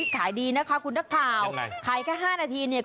ขายดีนะคะคุณนักข่าวขายแค่๕นาทีเนี่ย